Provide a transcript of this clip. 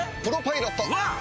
うわっ！